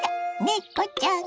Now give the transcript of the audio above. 猫ちゃん！